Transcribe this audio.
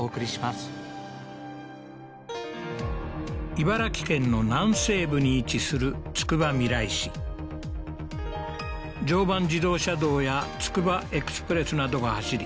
茨城県の南西部に位置するつくばみらい市常磐自動車道やつくばエクスプレスなどが走り